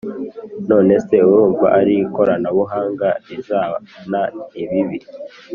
none se urumva ari ikoranabuhanga rizana ibibi’